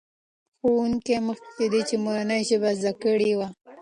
ښوونکي مخکې له دې مورنۍ ژبه زده کړې وه.